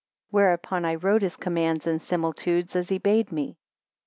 7 Whereupon I wrote his Commands and Similitudes, as he bade me.